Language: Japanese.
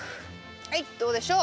はいどうでしょう？